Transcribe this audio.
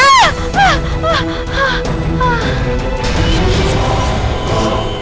karena kita harus kembali ke tempat yang sama